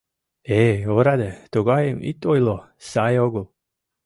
— Эй, ораде, тугайым ит ойло, сай огыл.